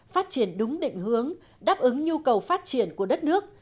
phát triển đúng định hướng đáp ứng nhu cầu phát triển của đất nước